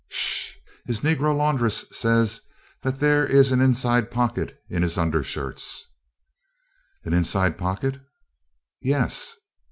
"Sh! His negro laundress says that there is an inside pocket in his undershirts." "An inside pocket?" "Yes."